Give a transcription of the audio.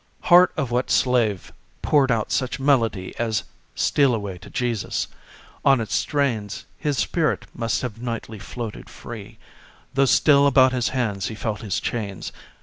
Heart of what slave poured out such melody As "Steal away to Jesus"? On its strains His spirit must have nightly floated free, Though still about his hands he felt his chains.